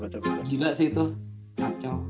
gila sih itu kacau